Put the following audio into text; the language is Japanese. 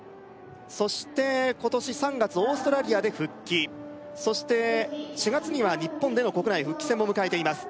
そして今年３月オーストラリアで復帰そして４月には日本での国内復帰戦も迎えています